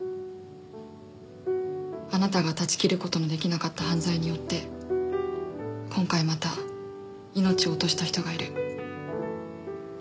あなたが断ち切る事の出来なかった犯罪によって今回また命を落とした人がいる。